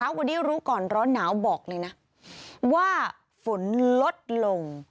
วันนี้รู้ก่อนร้อนหนาวบอกเลยนะว่าฝนลดลง